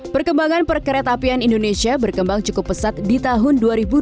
perkembangan perkereta apian indonesia berkembang cukup pesat di tahun dua ribu dua puluh